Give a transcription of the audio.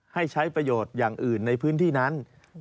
ให้ใช้ประโยชน์อย่างอื่นในพื้นที่นั้น